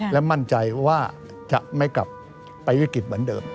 และมั่นใจว่าจะไม่กลับไปวิกฤตเหมือนเดิม